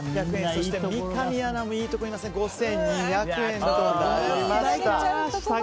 そして三上アナもいいところ５２００円となりました。